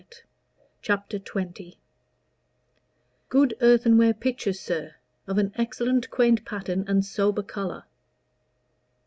CHAPTER XX. "Good earthenware pitchers, sir! of an excellent quaint pattern and sober color."